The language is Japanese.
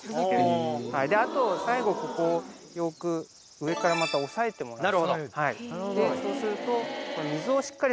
あと最後、ここよく上からまた押さえてもらって。